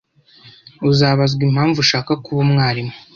Uzabazwa impamvu ushaka kuba umwarimu.